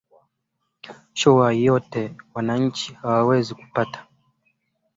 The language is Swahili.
sho wa yote wananchi hawawezi kupata